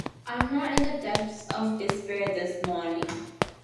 I’m not in the depths of despair this morning.